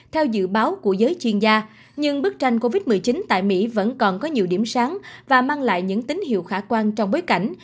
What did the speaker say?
theo dự báo của giới chuyên gia nhưng bức tranh covid một mươi chín tại mỹ vẫn còn có nhiều điểm sáng và mang lại những tín hiệu khả quan trong bối cảnh